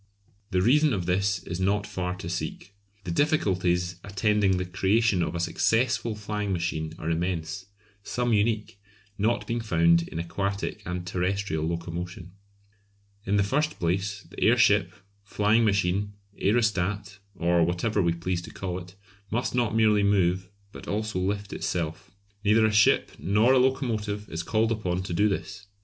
The reason of this is not far to seek. The difficulties attending the creation of a successful flying machine are immense, some unique, not being found in aquatic and terrestrial locomotion. In the first place, the airship, flying machine, aerostat, or whatever we please to call it, must not merely move, but also lift itself. Neither a ship nor a locomotive is called upon to do this.